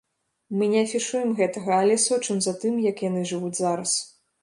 Мы не афішуем гэтага, але сочым за тым, як яны жывуць зараз.